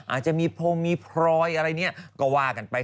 อาจจะมีโพมีพรอยอะไรนี้กว่ากันไป